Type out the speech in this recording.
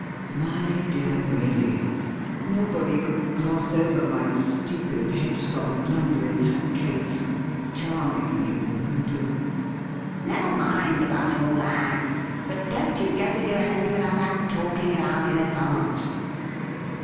' My dear Waley, nobody could gloss over my stupid, headstrong blunder in that case more charmingly than you do.' ' Never mind about all that ! But don't you go to do anything without our talking it out in advance.'